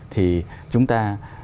thì chúng ta